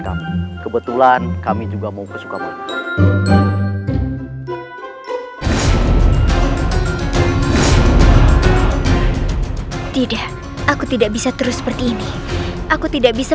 kami kebetulan kami juga mau kesukamu tidak aku tidak bisa terus seperti ini aku tidak bisa